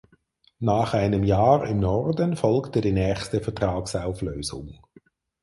Nach einem Jahr im Norden folgte die nächste Vertragsauflösung.